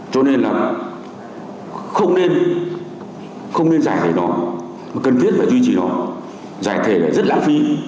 cho nên là không nên giải thể nó cần thiết phải duy trì nó giải thể là rất lãng phí